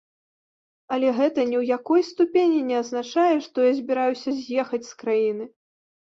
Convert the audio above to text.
Але гэта ні ў якой ступені не азначае, што я збіраюся з'ехаць з краіны.